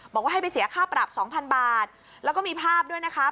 บอกว่าให้ไปเสียค่าปรับ๒๐๐บาทแล้วก็มีภาพด้วยนะคะ